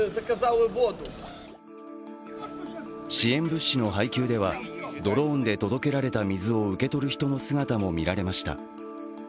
支援物資の配給ではドローンで届けられた水を受け取る人の姿も見られました。